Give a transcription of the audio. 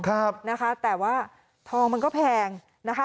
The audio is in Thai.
ครับนะคะแต่ว่าทองมันก็แพงนะคะ